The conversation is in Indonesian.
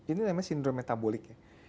ini namanya sindrom metabolik ya